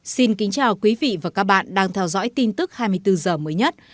xin kính chào quý vị và các bạn đang theo dõi tin tức hai mươi bốn h mới nhất